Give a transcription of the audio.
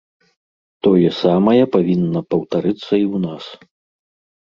Тое самае павінна паўтарыцца і ў нас.